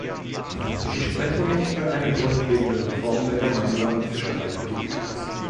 Ich spreche mich für eine grundlegende Reform der Gemeinsamen Fischereipolitik aus.